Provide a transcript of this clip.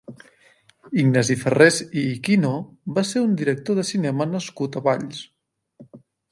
Ignasi Ferrés i Iquino va ser un director de cinema nascut a Valls.